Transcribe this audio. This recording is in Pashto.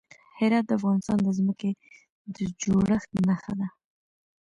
هرات د افغانستان د ځمکې د جوړښت نښه ده.